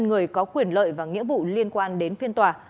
người có quyền lợi và nghĩa vụ liên quan đến phiên tòa